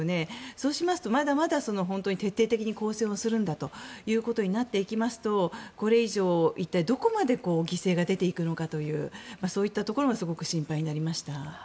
そうしますと、まだまだ徹底的に抗戦するんだということになってきますとこれ以上、一体どこまで犠牲が出ていくのかというそういったところもすごく心配になりました。